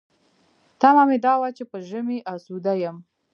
تمه مې دا وه چې په ژمي اسوده یم.